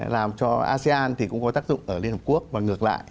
làm cho asean thì cũng có tác dụng ở liên hợp quốc và ngược lại